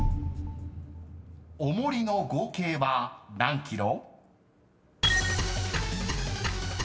［重りの合計は何ｋｇ？］